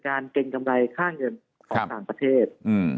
เกรงกำไรค่าเงินของต่างประเทศ